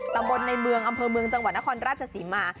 ตำบลในเมืองอำเภอเมืองจังหวัดนครราชศรีมา